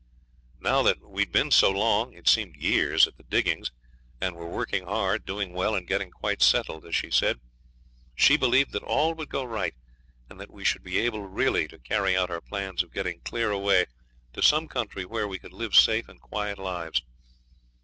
Now that we'd been so long, it seemed years, at the diggings, and were working hard, doing well, and getting quite settled, as she said, she believed that all would go right, and that we should be able really to carry out our plans of getting clear away to some country where we could live safe and quiet lives.